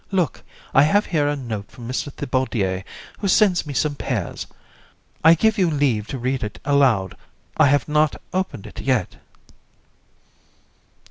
Look, I have here a note from Mr. Thibaudier, who sends me some pears. I give you leave to read it aloud; I have not opened it yet.